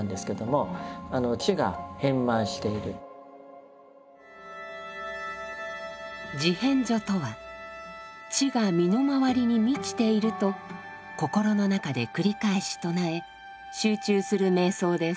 「地遍処」とは地が身の回りに満ちていると心の中で繰り返し唱え集中する瞑想です。